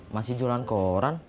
masih jualan koran